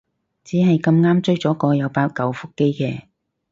只係咁啱追咗個有八舊腹肌嘅